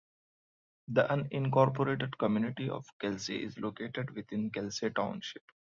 The unincorporated community of Kelsey is located within Kelsey Township.